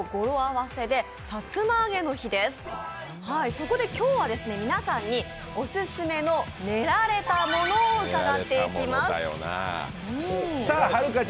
そこで今日は皆さんに練られたものを伺っていきます。